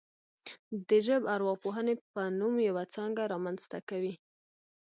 د ژبارواپوهنې په نوم یوه څانګه رامنځته کوي